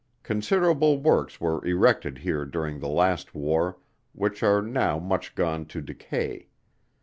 Considerable works were erected here during the last war, which are now much gone to decay.